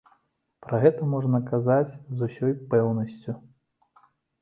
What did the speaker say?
Пра гэта можна казаць з усёй пэўнасцю.